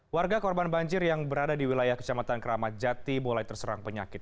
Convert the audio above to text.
warga korban banjir yang berada di wilayah kecamatan keramat jati mulai terserang penyakit